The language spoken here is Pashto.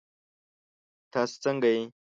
تاسو ځنګه يئ؟